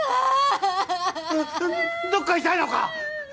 うわっどっか痛いのか？